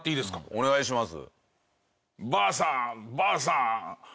お願いします。